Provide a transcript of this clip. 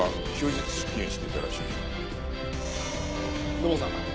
土門さん